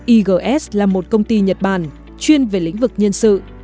igs là một công ty nhật bản chuyên về lĩnh vực nhân sự